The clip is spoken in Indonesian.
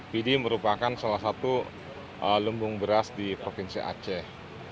pidi merupakan salah satu lembung beras di provinsi aceh